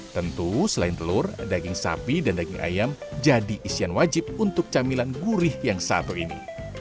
tentu selain telur daging sapi dan daging ayam jadi isian wajib untuk camilan gurih yang satu ini